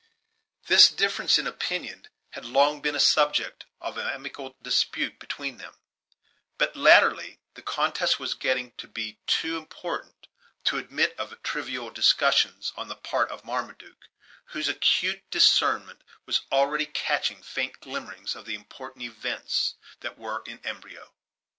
This difference in opinion had long been a subject of amicable dispute between them: but, Latterly, the contest was getting to be too important to admit of trivial discussions on the part of Marmaduke, whose acute discernment was already catching faint glimmerings of the important events that were in embryo.